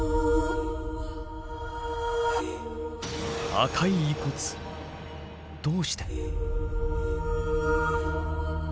赤い遺骨どうして？